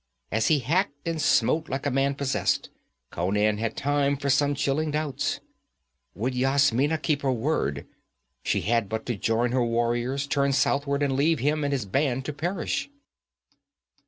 As he hacked and smote like a man possessed, Conan had time for some chilling doubts would Yasmina keep her word? She had but to join her warriors, turn southward and leave him and his band to perish.